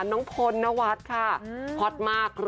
น้องพลนวัดค่ะพล็อตมาก